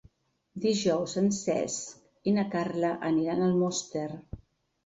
Dijous en Cesc i na Carla aniran a Almoster.